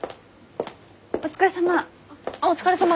お疲れさま。